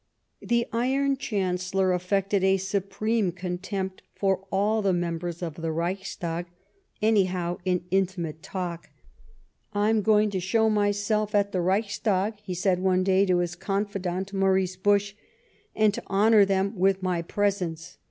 The Iron Chancellor affected a supreme contempt for all the members of the Reichstag, anyhow in intimate talk. " I'm going to show myself at the Reichstag," he said one day to his confidant, Maurice Busch, "and to honour them with my presence.